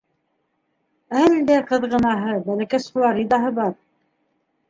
Әлдә ҡыҙғынаһы, бәләкәс Флоридаһы бар.